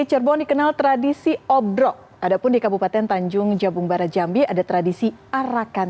cerbon dikenal tradisi obrok adapun di kabupaten tanjung jabung barat jambi ada tradisi arakan